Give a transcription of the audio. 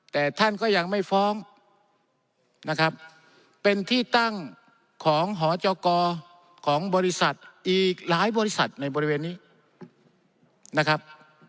แต่ท่านก็ยังไม่ฟ้องนะครับเป็นที่ตั้งของหจกของบริษัทอีกหลายบริษัทในบริเวณนี้นะครับ